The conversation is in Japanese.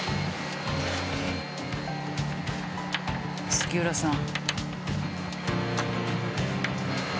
杉浦さん。